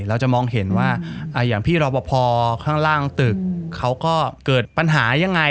เราจะมองเห็นว่าอย่างพี่รอปภข้างล่างตึกเขาก็เกิดปัญหายังไง